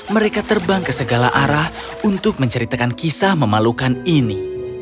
mereka terbang ke segala arah untuk menceritakan kisah memalukan ini